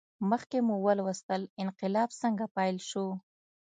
مخکې مو ولوستل انقلاب څنګه پیل شو.